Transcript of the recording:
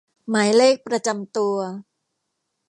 หมายเลขประจำตัว